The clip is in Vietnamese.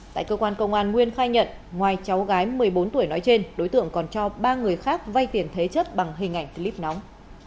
tại cơ quan công an nguyên khai nhận ngoài cháu gái một mươi bốn tuổi nói trên đối tượng còn cho ba người khác vay tiền thế chất bằng hình ảnh clip nóng